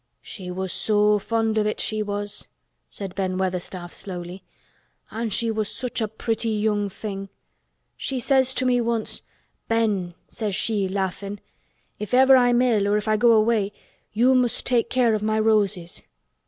"She was so fond of it—she was!" said Ben Weatherstaff slowly. "An' she was such a pretty young thing. She says to me once, 'Ben,' says she laughin', 'if ever I'm ill or if I go away you must take care of my roses.